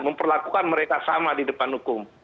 memperlakukan mereka sama di depan hukum